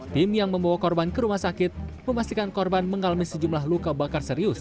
tim yang membawa korban ke rumah sakit memastikan korban mengalami sejumlah luka bakar serius